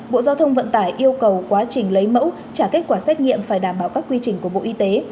bộ giao thông vận tải yêu cầu quá trình lấy mẫu trả kết quả xét nghiệm phải đảm bảo các quy trình của bộ y tế